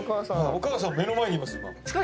お母さん目の前にいます今。